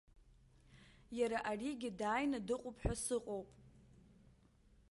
Иара аригьы дааины дыҟоуп ҳәа сыҟоуп.